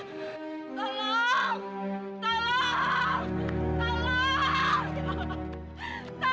ya udah kita bisa